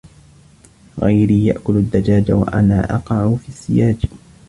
غيري يأكل الدجاج وأنا أقع في السياج